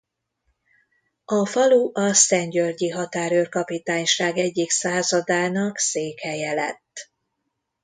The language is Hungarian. A falu a szentgyörgyi határőr kapitányság egyik századának székhelye lett.